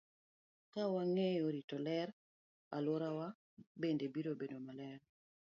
Ka wang'eyo rito ler, alworawa bende biro bedo maler.